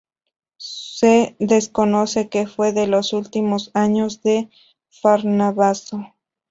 Se desconoce que fue de los últimos años de Farnabazo.